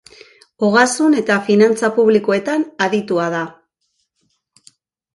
Ogasun eta finantza publikoetan aditua da.